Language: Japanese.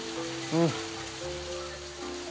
うん。